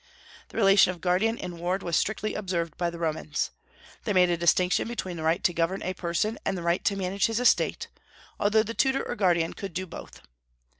The relation of guardian and ward was strictly observed by the Romans. They made a distinction between the right to govern a person and the right to manage his estate, although the tutor or guardian could do both.